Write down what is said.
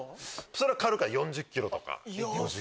それは軽かった４０ｋｇとか。